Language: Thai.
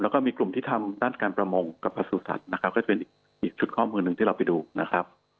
แล้วก็มีกลุ่มที่ทำด้านการประมงกับประสูจัตว์นะครับก็จะเป็นอีกชุดข้อมูลหนึ่งที่เราไปดูนะครับ